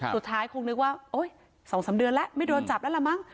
สุดท้ายคงนึกว่าโอ๊ย๒๓เดือนแล้วไม่โดนจับแล้วล่ะมั้ง